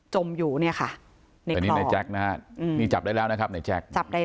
จมอยู่เนี่ยค่ะในใจกนะฮะอืมนี่จับได้แล้วนะครับในใจกจับได้